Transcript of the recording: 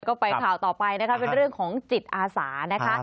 ก็ไปข่าวต่อไปนะคะเป็นเรื่องของจิตอาสานะคะ